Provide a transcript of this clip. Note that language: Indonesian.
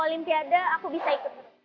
riyadah aku bisa ikut